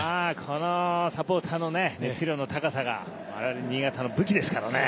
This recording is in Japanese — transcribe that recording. サポーターの熱量の高さが我々、新潟の武器ですから。